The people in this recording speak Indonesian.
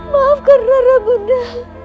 maafkan rara bunda